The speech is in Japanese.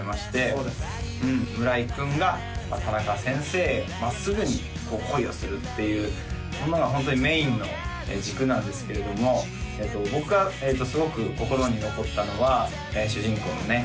そうですうん村井君が田中先生へ真っすぐに恋をするっていうのがホントにメインの軸なんですけども僕がすごく心に残ったのは主人公のね